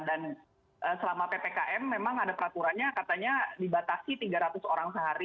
dan selama ppkm memang ada peraturannya katanya dibatasi tiga ratus orang sehari